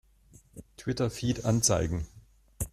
Twitter-Feed anzeigen!